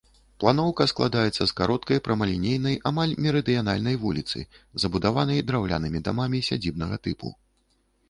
Планоўка складаецца з кароткай прамалінейнай, амаль мерыдыянальнай вуліцы, забудаванай драўлянымі дамамі сядзібнага тыпу.